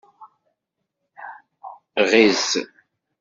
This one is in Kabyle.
Ɣiz.